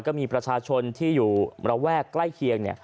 ก็มีประชาชนที่อยู่ระแวกใกล้เคียง